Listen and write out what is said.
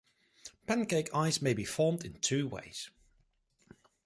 Pancake ice may be formed in two ways.